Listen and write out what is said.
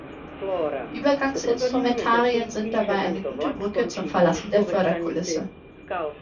Übergangsinstrumentarien sind dabei eine gute Brücke zum Verlassen der Förderkulisse.